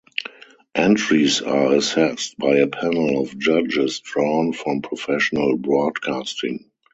Entries are assessed by a panel of judges drawn from professional broadcasting.